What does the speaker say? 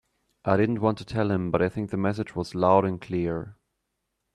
I didn't want to tell him, but I think the message was loud and clear.